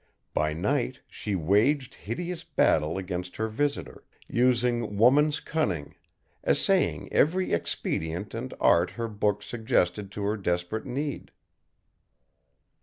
By night she waged hideous battle against her Visitor; using woman's cunning, essaying every expedient and art her books suggested to her desperate need.